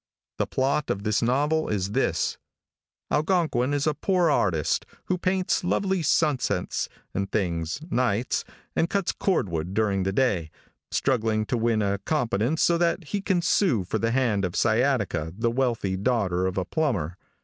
The plot of the novle is this: Algonquin is a poor artist, who paints lovely sunsets and things, nights, and cuts cordwood during the day, struggling to win a competence so that he can sue for the hand of Sciataca, the wealthy daughter of a plumber.